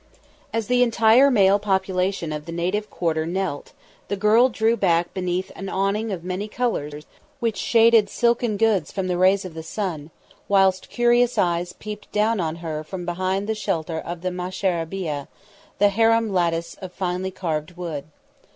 As the entire male population of the native quarter knelt, the girl drew back beneath an awning of many colours which shaded silken goods from the rays of the sun, whilst curious eyes peeped down upon her from behind the shelter of the masharabeyeh, the harem lattice of finely carved wood.